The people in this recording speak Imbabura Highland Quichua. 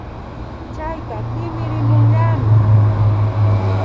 Chayka kimirimunllami